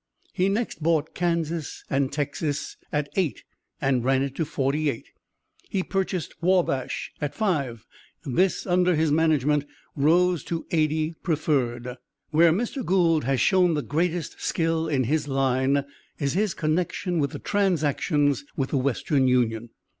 He next bought Kansas & Texas at 8 and ran it to 48. He purchased Wabash at 5, and this, under his management, rose to 80 preferred. Where Mr. Gould has shown the greatest skill in his line, is his connection with the transactions with the Western Union.